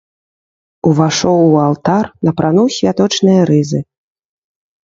Увайшоў у алтар, напрануў святочныя рызы.